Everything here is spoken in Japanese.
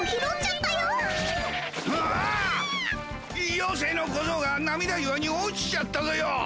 ようせいのこぞうが涙岩に落ちちゃったぞよ。